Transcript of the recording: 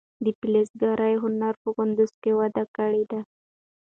د فلزکارۍ هنر په کندز کې وده کړې ده.